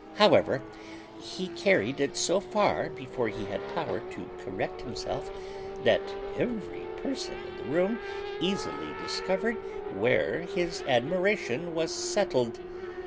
However, he carried it so far before he had power to correct himself, that every person in the room easily discovered where his admiration was settled.